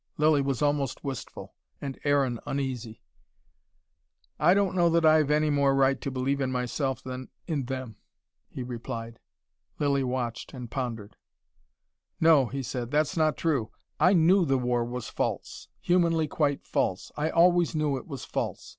Lilly was almost wistful and Aaron uneasy. "I don't know that I've any more right to believe in myself than in them," he replied. Lilly watched and pondered. "No," he said. "That's not true I KNEW the war was false: humanly quite false. I always knew it was false.